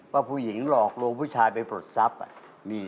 ว่าผู้หญิงหลอกลวงผู้ชายไปปลดทรัพย์